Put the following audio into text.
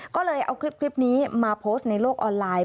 ก็เลยเอาคลิปนี้มาโพสต์ในโลกออนไลน์